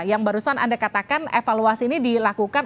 yang barusan anda katakan evaluasi ini dilakukan